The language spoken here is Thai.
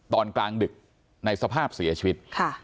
ตอนกลางดึกในสภาพเสียชีวิต